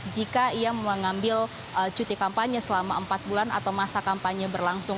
jika ia mengambil cuti kampanye selama empat bulan atau masa kampanye berlangsung